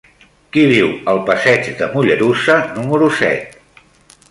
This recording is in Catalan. Qui viu al passeig de Mollerussa número set?